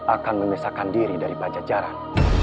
akan memisahkan diri dari pajajaran